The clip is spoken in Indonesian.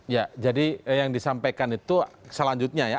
ya jadi yang disampaikan itu selanjutnya ya